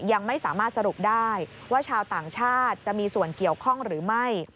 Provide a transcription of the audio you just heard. ยังไม่สามารถสรุปได้ว่าชาวต่างชาติจะมีส่วนเกี่ยวข้องหรือไม่